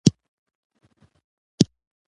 زه هره شپه په وخت ویده کېږم.